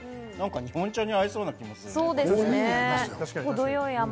日本茶に合いそうな感じがする。